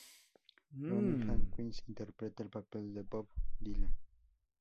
Ronnie Hawkins interpreta el papel de "Bob Dylan".